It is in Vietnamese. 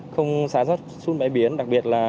không xá rớt xuống bãi biển đặc biệt là